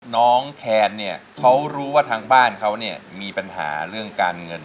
น้องแขนเขารู้ว่าทั้งบ้านเขามีปัญหาเรื่องการเงิน